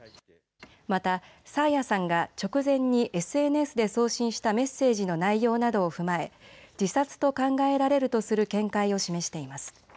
また爽彩さんが直前にＳＮＳで送信したメッセージの内容などを踏まえ、自殺と考えられるとする見解を示しています。